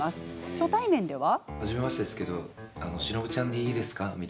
初対面では。